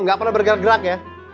gak pernah bergerak gerak ya